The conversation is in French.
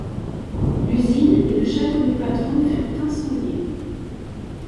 L'usine et le château du patron furent incendiés.